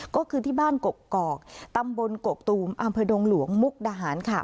ก็คือที่บ้านกกอกตำบลกกตูมอำเภอดงหลวงมุกดาหารค่ะ